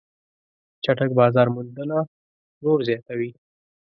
چټک بازار موندنه پلور زیاتوي.